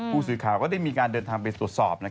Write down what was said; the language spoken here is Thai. ผู้สื่อข่าวก็ได้มีการเดินทางไปตรวจสอบ